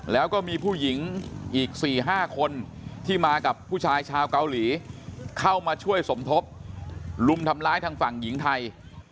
แล้วก็มีผู้หญิงอีก๔๕คนที่มากับผู้ชายชาวเกาหลีเข้ามาช่วยสมทบลุมทำร้ายทางฝั่งหญิงไทย